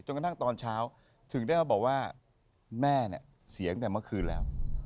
กระทั่งตอนเช้าถึงได้มาบอกว่าแม่เนี่ยเสียงแต่เมื่อคืนแล้ว